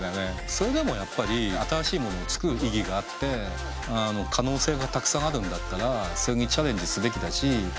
それでもやっぱり新しいものを作る意義があって可能性がたくさんあるんだったらそれにチャレンジすべきだし。